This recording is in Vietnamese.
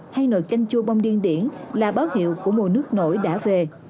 hay nồi canh chua bông điện điển là báo hiệu của mùa nước nội đã về